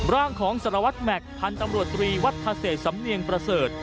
ร่างของสารวัตรแม็กซ์พันธุ์ตำรวจตรีวัฒเศษสำเนียงประเสริฐ